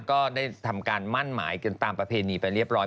ก็ได้ทำการมั่นหมายกันตามประเพณีไปเรียบร้อย